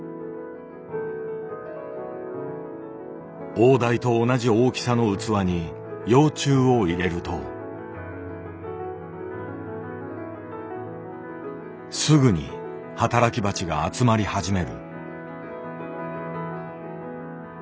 王台と同じ大きさの器に幼虫を入れるとすぐに働き蜂が集まり始める。